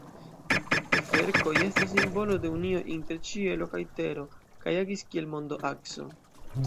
Kverkoj estas simbolo de unio inter ĉielo kaj tero kaj agis kiel mondo-akso.